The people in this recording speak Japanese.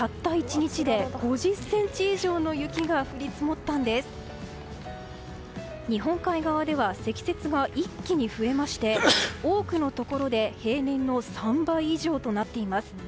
日本海側では積雪が一気に増えまして多くのところで平年の３倍以上となっています。